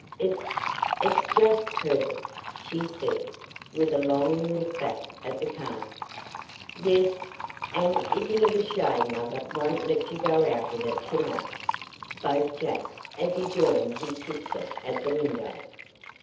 "It's it's just perfect;" she said, with a longing look back at the car. "Yes, and isn't it a shame mother won't let you go out in it to night?" spoke Jack as he joined his sister at the window.